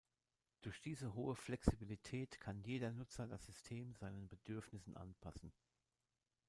Durch diese hohe Flexibilität kann jeder Nutzer das System seinen Bedürfnissen anpassen.